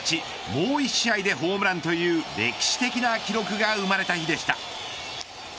もう１試合でホームランという歴史的な記録が生まれた日でした。